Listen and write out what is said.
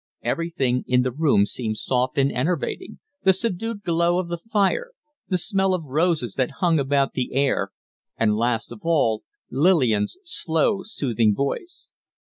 Everything in the room seemed soft and enervating the subdued glow of the fire, the smell of roses that hung about the air, and, last of all, Lillian's slow, soothing voice.